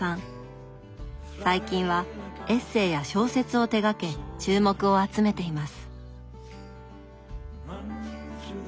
最近はエッセーや小説を手がけ注目を集めています。